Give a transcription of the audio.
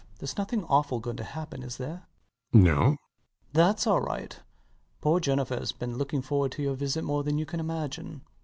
Theres nothing awful going to happen, is there? RIDGEON. No. LOUIS. Thats all right. Poor Jennifer has been looking forward to your visit more than you can imagine.